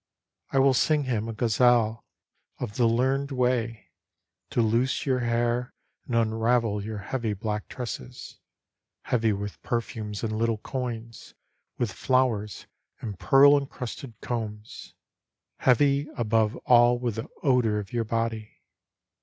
I will sing him a ghazel of the learned way To loose your hair and unravel your heavy black tresses, Heavy with perfumes and little coins, with flowers and pearl^encrusted combs, Heavy above all with the odour of your body.